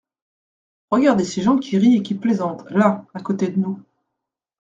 Regardez ces gens qui rient et qui plaisantent, là, à côté de nous.